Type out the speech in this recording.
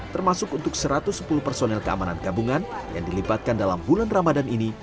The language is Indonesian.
termasuk untuk satu ratus sepuluh personel keamanan gabungan yang dilibatkan dalam bulan ramadan ini